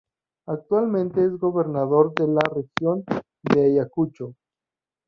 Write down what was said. Actualmente, es Gobernador de la Región de Ayacucho.